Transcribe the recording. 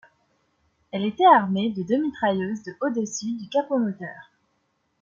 Elle était armée de deux mitrailleuses de au-dessus du capot-moteur.